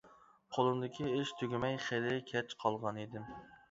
قولۇمدىكى ئىش تۈگىمەي خېلى كەچ قالغانىدىم.